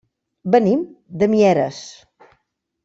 Venim de Mieres.